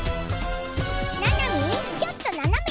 「ななみちょっとななめ